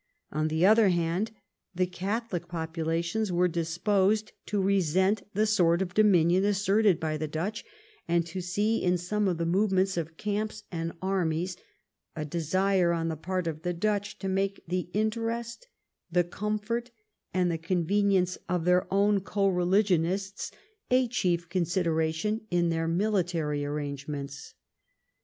On the other hand, the Catholic populations were disposed to resent the sort of dominion asserted by the Dutch, and to see in some of the movements of camps and armies a desire on the part of the Dutch to make the interest, the comfort, and the convenience of their own co religionists a chief consideration in their military arrangements.